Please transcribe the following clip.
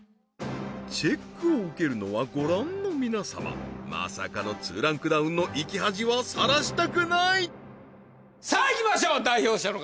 チェックを受けるのはご覧の皆様まさかの２ランクダウンの生き恥はさらしたくないさあ行きましょう代表者の方